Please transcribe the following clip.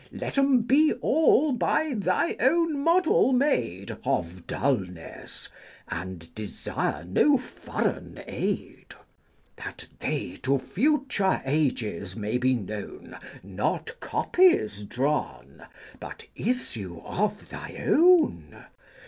Let them be all by thy own model made Of dulness, and desire no foreign aid ; That they to future ages may be known, Not copies drawn, but issue of thy own.